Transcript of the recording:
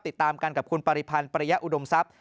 ติดตามกันกับคุณปริพันธ์ปริยะอุดมทรัพย์